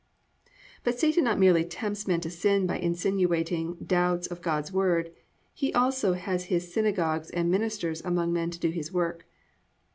2. But Satan not merely tempts men to sin by insinuating doubts of God's Word, he also has his +synagogues and ministers among men to do his work.